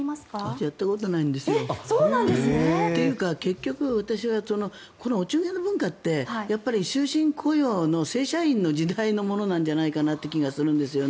私やったことないんですよ。っていうか私はお中元の文化ってやっぱり終身雇用の正社員の時代のものなんじゃないかって気がするんですよ。